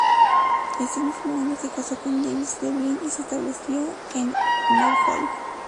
Ese mismo año se casó con James Devlin y se estableció en Norfolk.